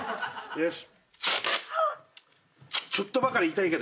よし！